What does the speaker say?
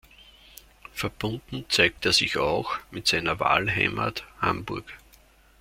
Verbunden zeigt er sich auch mit seiner Wahlheimat Hamburg.